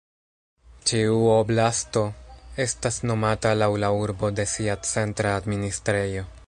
Ĉiu "oblast"o estas nomata laŭ la urbo de sia centra administrejo.